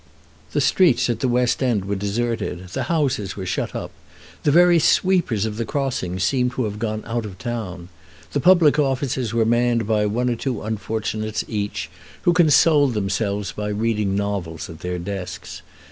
The streets at the West End were deserted. The houses were shut up. The very sweepers of the crossings seemed to have gone out of town. The public offices were manned by one or two unfortunates each, who consoled themselves by reading novels at their desks.